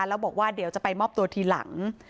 แล้วบอกว่าเดี๋ยวจะไปมอบตัวทีหลัง